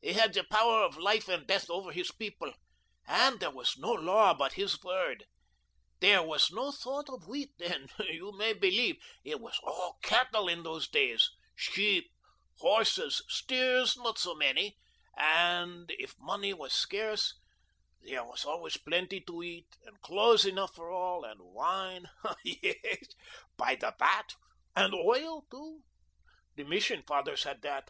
He had the power of life and death over his people, and there was no law but his word. There was no thought of wheat then, you may believe. It was all cattle in those days, sheep, horses steers, not so many and if money was scarce, there was always plenty to eat, and clothes enough for all, and wine, ah, yes, by the vat, and oil too; the Mission Fathers had that.